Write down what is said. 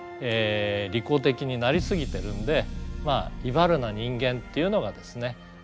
利己的になりすぎてるんで威張るな人間っていうのがですね